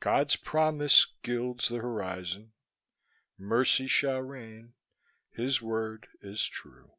God's promise gilds the horizon; Mercy shall reign; his word is true.